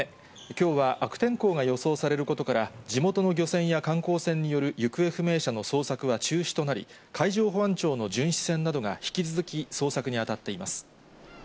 きょうは悪天候が予想されることから、地元の漁船や観光船による行方不明者の捜索は中止となり、海上保安庁の巡視船などが引き続き捜索に当たっています。